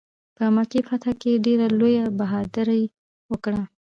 په مکې فتح کې ډېره لویه بهادري وکړه.